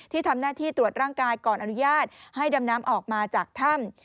ทำหน้าที่ตรวจร่างกายก่อนอนุญาตให้ดำน้ำออกมาจากถ้ำ